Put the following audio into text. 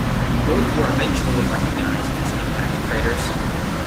Both were eventually recognized as impact craters.